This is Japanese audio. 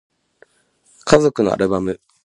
家族のアルバム